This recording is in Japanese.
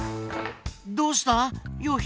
どうした？よ